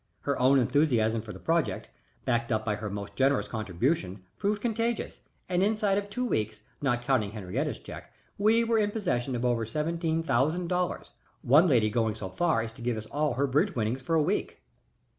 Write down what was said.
Her own enthusiasm for the project, backed up by her most generous contribution, proved contagious, and inside of two weeks, not counting Henriette's check, we were in possession of over seventeen thousand dollars, one lady going so far as to give us all her bridge winnings for a week.